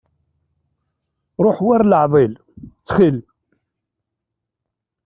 Ruḥ war leεḍil, ttxil.